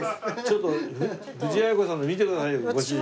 ちょっと藤あや子さんの見てくださいよご主人。